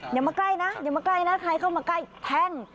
อย่ามาใกล้นะอย่ามาใกล้นะใครเข้ามาใกล้แท่ง